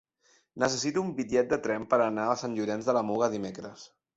Necessito un bitllet de tren per anar a Sant Llorenç de la Muga dimecres.